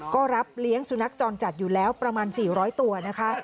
ก็รับเลี้ยงสุนัขจรจัดอยู่แล้วประมาณ๔๐๐ตัวนะคะ